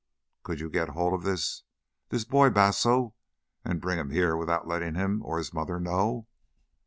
"Could you get hold of this this boy basso and bring him here without letting him or his mother know?"